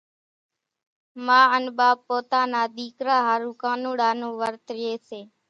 ما انين ٻاپ پوتا نا ۮيڪرا ۿارُو ڪانوڙا نون ورت رئي سي۔